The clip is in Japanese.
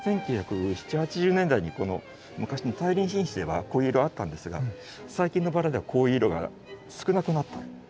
１９７０８０年代にこの昔の大輪品種ではこういう色あったんですが最近のバラではこういう色が少なくなったんです。